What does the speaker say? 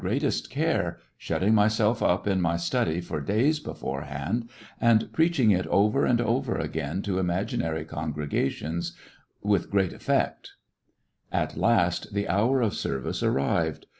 I prepared the sermon with the greatest care, shutting myself up in my study for days beforehand, and preaching it over and over again to imaginary congrega tions, with great effect. A striking At last the hour of service arrived.